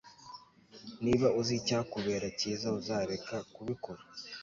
Niba uzi icyakubera cyiza uzareka kubikora